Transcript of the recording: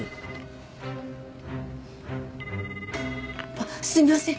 あっすみません。